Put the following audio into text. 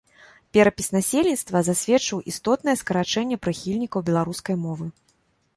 Перапіс насельніцтва засведчыў істотнае скарачэнне прыхільнікаў беларускай мовы.